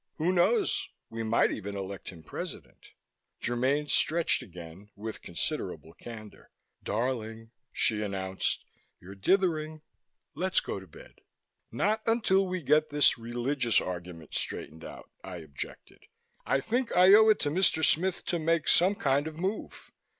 Who knows, we might even elect him President." Germaine stretched again, with considerable candor. "Darling," she announced, "you're dithering. Let's go to bed." "Not until we get this religious argument straightened out," I objected. "I think I owe it to Mr. Smith to make some kind of move.